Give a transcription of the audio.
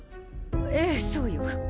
ええそうよ。